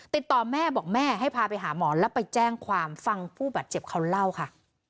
ติดต่อแม่บอกแม่ให้พาไปหาหมอแล้วไปแจ้งความฟังผู้บาดเจ็บเขาเล่าค่ะ